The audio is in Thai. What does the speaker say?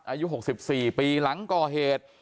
อายุ๖๔ปีหลังก่อเหตุ